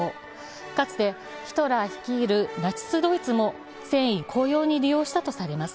かつてヒトラー率いるナチス・ドイツも戦意高揚に使用したとされています。